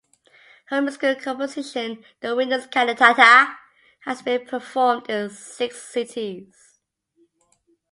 Her musical composition "The Witness Cantata" has been performed in six cities.